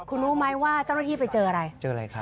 คุณรู้ไหมว่าเจ้าหน้าที่ไปเจออะไร